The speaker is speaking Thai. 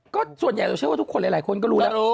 ก็ส่วนใหญ่โชว์ว่าทุกคนหลายคนก็รู้